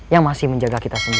yang masih menjaga kita semua